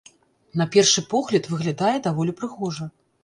На першы погляд, выглядае даволі прыгожа.